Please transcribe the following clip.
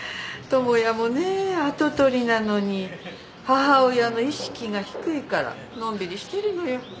智也もね跡取りなのに母親の意識が低いからのんびりしてるのよ。